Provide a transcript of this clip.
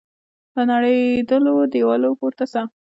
له نړېدلو دیوالو پورته سه